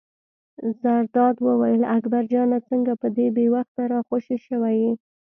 زرداد وویل: اکبر جانه څنګه په دې بې وخته را خوشې شوی یې.